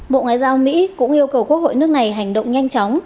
bộ ngoại giao mỹ cũng yêu cầu quốc hội nước này hành động nhanh chóng